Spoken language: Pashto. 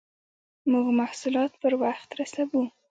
موږ محصولات پر وخت رسوو.